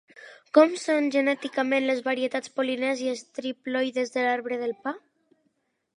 Com són genèticament les varietats polinèsies triploides de l'arbre del pa?